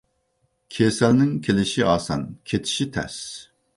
كېسەلنىڭ كېلىشى ئاسان، كېتىشى تەس.